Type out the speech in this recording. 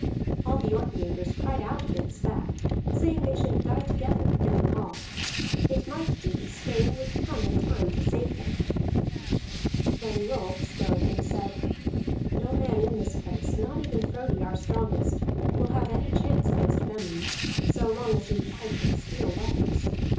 All the Orkneyingers cried out against that, saying they should die together within the hall; it might be Sweyn would come in time to save them. Then Rolf spoke and said: "No man in this place, not even Frodi our strongest, will have any chance against Vemund, so long as we fight with steel weapons.